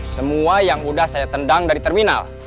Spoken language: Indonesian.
semua yang mudah saya tendang dari terminal